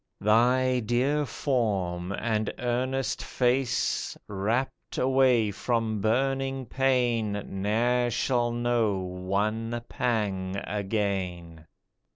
Thy dear form and earnest face, Wrapt away from burning pain, Ne'er shall know one pang again.